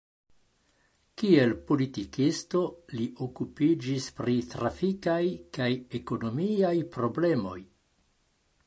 Kiel politikisto li okupiĝis pri trafikaj kaj ekonomiaj problemoj.